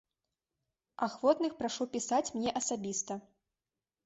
Ахвотных прашу пісаць мне асабіста.